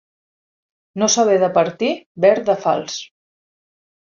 No saber departir ver de fals.